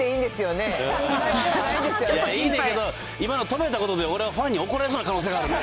ちょっと今止めたことで、俺はファンに怒られそうな可能性があるやん。